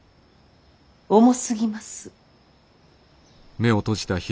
重すぎます。